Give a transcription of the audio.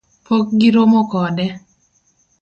Pok giromo kode